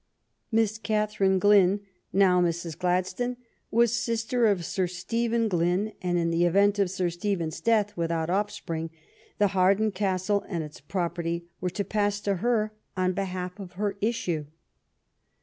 Miss Catherine Glynne, now Mrs. Gladstone, was sister of Sir Stephen Glynne, and in the event of Sir Stephen's death without offspring the Hawar den Castle and its property were to pass to her on behalf of her issue.